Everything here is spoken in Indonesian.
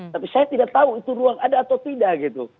tapi saya tidak tahu itu ruang ada atau tidak gitu